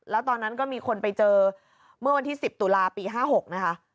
แล้วตอนนั้นก็มีคนไปเจอเมื่อวันที่๑๐ตุลาปี๕๖นะคะ